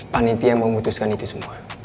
panitia memutuskan itu semua